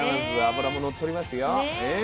脂も乗っておりますよ。ね。